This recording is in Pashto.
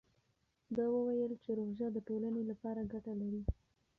ده وویل چې روژه د ټولنې لپاره ګټه لري.